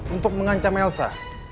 untuk mengancam elsa